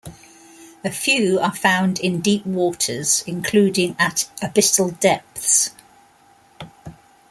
A few are found in deep waters including at abyssal depths.